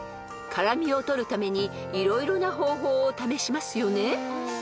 ［辛味を取るために色々な方法を試しますよね］